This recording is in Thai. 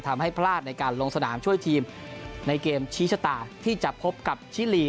ทำให้พลาดในการลงสนามช่วยทีมในเกมชี้ชะตาที่จะพบกับชิลี